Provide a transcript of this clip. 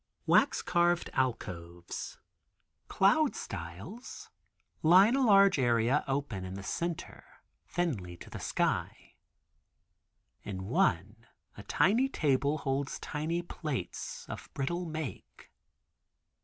Wax carved alcoves, cloud styles, line a large area open in the center thinly to the sky. In one a tiny table holds tiny plates of brittle make.